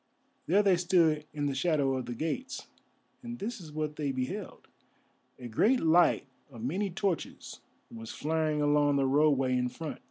There they stood in the shadow of the gates, and this is what they beheld. A great light of many torches was flaring along the roadway in front.